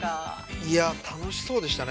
◆いや、楽しそうでしたね。